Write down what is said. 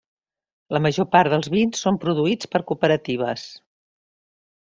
La major part dels vins són produïts per cooperatives.